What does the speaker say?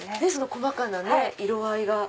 細かな色合いが。